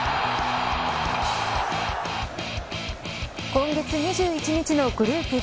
今月２１日のグループＢ